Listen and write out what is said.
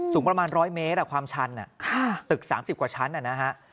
สูงประมาณ๑๐๐เมตรความชันตึก๓๐กว่าชั้นนะฮะ